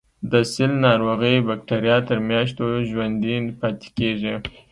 د سل ناروغۍ بکټریا تر میاشتو ژوندي پاتې کیږي.